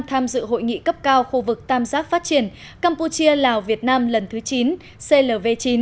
tham dự hội nghị cấp cao khu vực tam giác phát triển campuchia lào việt nam lần thứ chín clv chín